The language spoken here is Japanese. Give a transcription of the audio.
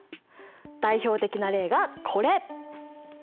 代表的な例がこれ！